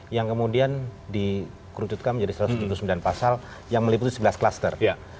yang kemudian dikrututkan menjadi satu ratus sembilan pasal yang meliputi sebelas klaster